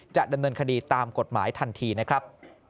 จะดำเนินคดีตามกฎหมายทันทีนะครับ